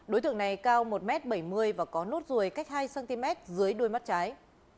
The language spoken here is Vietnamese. đối tượng này cao một m bảy mươi và có nốt ruồi cách hai cm dưới đuôi mắt trái